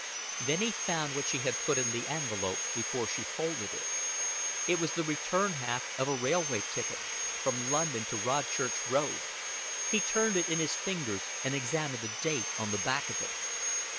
Then he found what she had put in the envelope before she folded it. It was the return half of a railway ticket, from London to Rodchurch Road he turned it in his fingers and examined the date on the back of it.